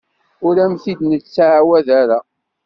Ur am-t-id-nettɛawad ara.